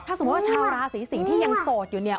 สมมุติว่าชาวราศีสิงศ์ที่ยังโสดอยู่เนี่ย